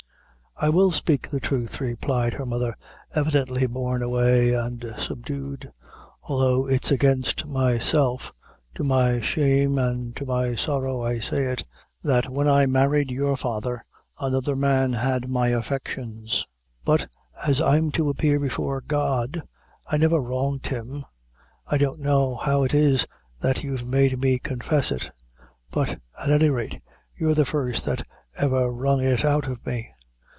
"I will spake the thruth," replied her mother, evidently borne away and subdued, "although it's against myself to my shame an' to my sorrow I say it that when I married your father, another man had my affections but, as I'm to appear before God, I never wronged him. I don't know how it is that you've made me confess it; but at any rate you're the first that ever wrung it out o' me."